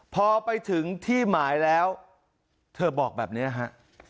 พอไปถึงที่หมายแล้วเธอบอกแบบนี้ฮะ